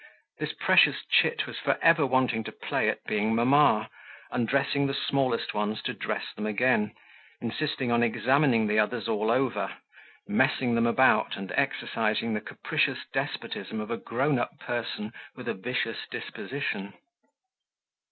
This precious chit was for ever wanting to play at being mamma, undressing the smallest ones to dress them again, insisting on examining the others all over, messing them about and exercising the capricious despotism of a grown up person with a vicious disposition.